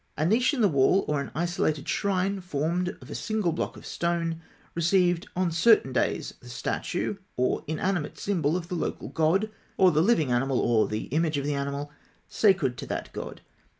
A niche in the wall, or an isolated shrine formed of a single block of stone, received on certain days the statue, or inanimate symbol of the local god, or the living animal, or the image of the animal, sacred to that god.